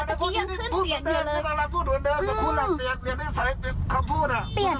เมื่อกี้ยังขึ้นเดี๋ยวเลยพูดก่อนเดิมพูดก่อนเดิมแต่คุณหลังเตียด